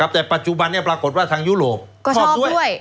แต่ปัจจุบันนี้ปรากฏว่าทางยุโรปก็ชอบด้วย